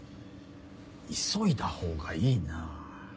急いだほうがいいな。